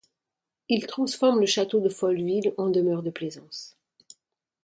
Il transforme le château de Folleville en demeure de plaisance.